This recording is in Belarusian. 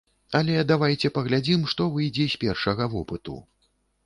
Але давайце паглядзім, што выйдзе з першага вопыту.